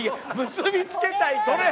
結び付けたいから。